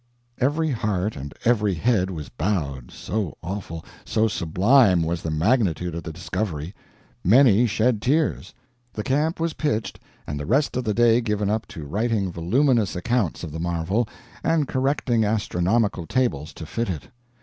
Every heart and every head was bowed, so awful, so sublime was the magnitude of the discovery. Many shed tears. The camp was pitched and the rest of the day given up to writing voluminous accounts of the marvel, and correcting astronomical tables to fit it.